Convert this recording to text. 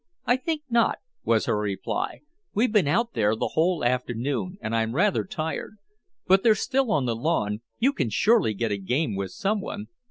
"I think not," was her reply. "We've been out there the whole afternoon, and I'm rather tired. But they're still on the lawn. You can surely get a game with someone."